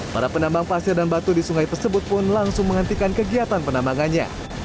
para penambang pasir dan batu di sungai tersebut pun langsung menghentikan kegiatan penambangannya